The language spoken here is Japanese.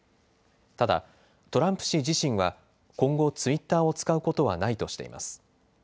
ただ、トランプ氏自身は今後、ツイッターを使うことはないとしています。